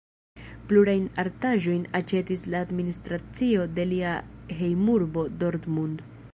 Plurajn artaĵojn aĉetis la administracio de lia hejmurbo Dortmund.